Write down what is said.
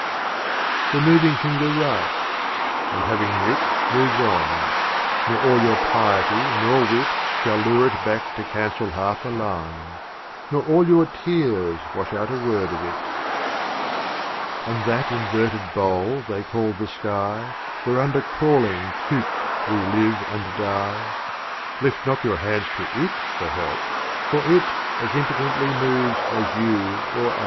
The Moving Finger writes; and, having writ, Moves on: nor all your Piety nor Wit Shall lure it back to cancel half a Line, Nor all your Tears wash out a Word of it. 26 *'The Ball no question makes." <yTATRAIN LXX. LXXII. And that inverted Bowl they call Ruba'iyat the Sky, °{°™! m Whereunder crawling coop'd we live and die, Lift not your hands to // for help — for It As impotently moves as you or I.